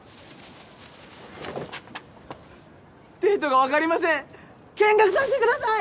デートが分かりません見学させてください！